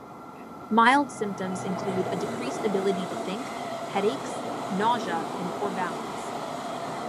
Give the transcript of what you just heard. Mild symptoms include a decreased ability to think, headaches, nausea, and poor balance.